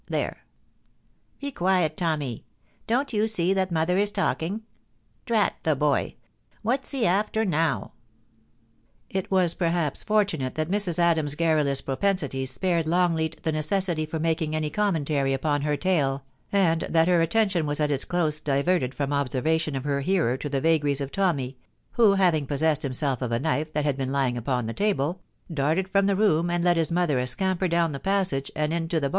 There ! be quiet, Tommy. Don't you see that mother is talking ? Drat the boy ! What's he after now ?* It was, perhaps, fortunate that Mrs. Adams's garrulous propensities spared Longleat the necessity for making any commentary upon her tale, and that her attention was at its close diverted from observation of her hearer to the vagaries of Tommy, who, having possessed himself of a knife that had been lying upon the table, darted from the room and led his mother a scamper down the passage and into the THE ORDEAL.